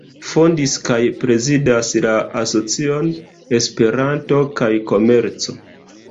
Fondis kaj prezidas la Asocion Esperanto kaj Komerco.